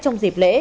trong dịp lễ